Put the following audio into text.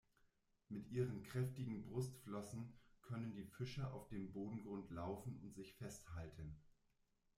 Mit ihren kräftigen Brustflossen können die Fische auf dem Bodengrund laufen und sich festhalten.